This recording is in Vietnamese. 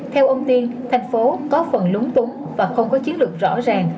theo ông tiên thành phố có phần lúng túng và không có chiến lược rõ ràng